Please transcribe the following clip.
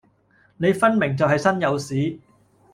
你分明就係身有屎